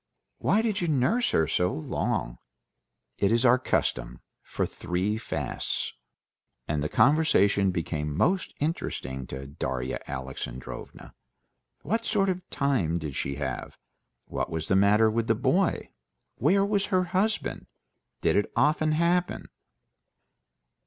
"Why did you nurse her so long?" "It's our custom; for three fasts...." And the conversation became most interesting to Darya Alexandrovna. What sort of time did she have? What was the matter with the boy? Where was her husband? Did it often happen?